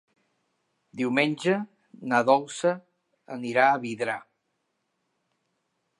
Diumenge na Dolça anirà a Vidrà.